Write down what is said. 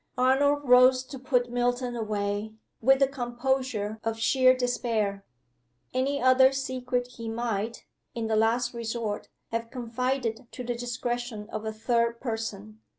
Arnold rose to put Milton away, with the composure of sheer despair. Any other secret he might, in the last resort, have confided to the discretion of a third person.